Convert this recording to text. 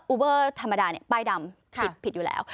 ูเบอร์ธรรมดาเนี่ยป้ายดำผิดอยู่แล้ว